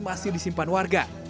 masih disimpan warga